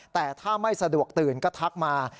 แต่ถ้าไม่สะดวกตื่นก็ทักมา